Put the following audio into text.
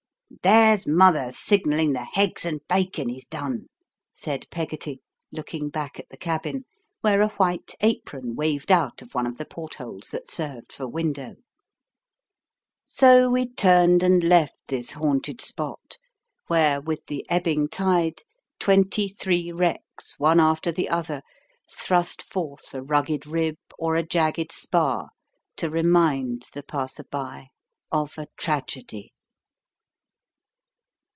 "There's mother signallin' the heggs and bakin is done," said Peggotty, looking back at the cabin, where a white apron waved out of one of the port holes that served for window. So we turned and left this haunted spot, where, with the ebbing tide, twenty three wrecks, one after the other, thrust forth a rugged rib or a jagged spar to remind the passer by of a tragedy.